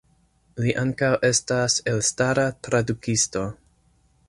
Li ankaŭ estas elstara tradukisto.